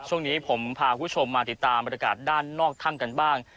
ช่วงนี้ผมพาคุณผู้ชมมาติดตามบรรยากาศด้านนอกถ้ำกันบ้าง